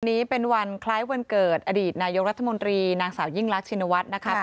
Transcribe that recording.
วันนี้เป็นวันคล้ายวันเกิดอดีตนายกรัฐมนตรีนางสาวยิ่งรักชินวัฒน์นะคะ